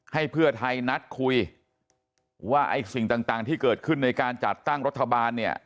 ให้เพื่อไทยนัดคุยว่าไอ้สิ่งต่างที่เกิดขึ้นในการจัดตั้งรัฐบาลเนี่ย